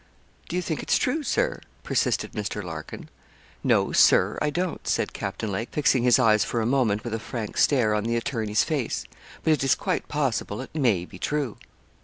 'Do you think it's true, Sir?' persisted Mr. Larkin. 'No, Sir, I don't,' said Captain Lake, fixing his eyes for a moment with a frank stare on the attorney's face; 'but it is quite possible it may be true.'